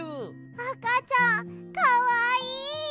あかちゃんかわいい！